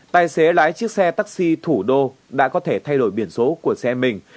tài xế lái chiếc xe taxi thủ đô đã có thể thay đổi biển số của xe mình